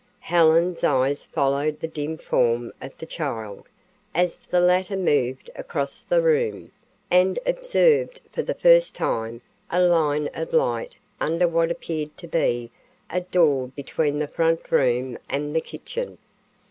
Helen's eyes followed the dim form of the child, as the latter moved across the room, and observed for the first time a line of light under what appeared to be a door between the front room and the kitchen.